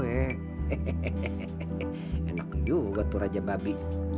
hehehe enak juga tuh raja babi